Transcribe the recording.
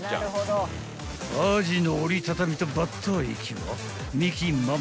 ［アジの折り畳みとバッター液は未来ママ］